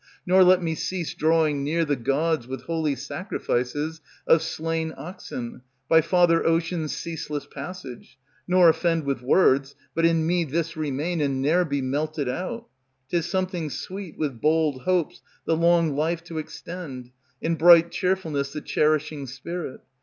Nor let me cease drawing near The gods with holy sacrifices Of slain oxen, by Father Ocean's Ceaseless passage, Nor offend with words, But in me this remain And ne'er be melted out. 'Tis something sweet with bold Hopes the long life to Extend, in bright Cheerfulness the cherishing spirit.